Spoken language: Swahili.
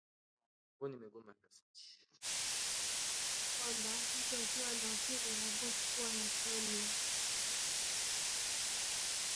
Kwa maana kwamba, mtu akiwa na akili hakosi kuwa na soni